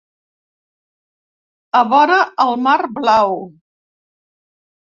a vora el mar blau.